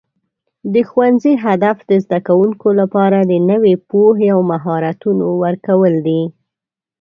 د ښوونځي هدف د زده کوونکو لپاره د نوي پوهې او مهارتونو ورکول دي.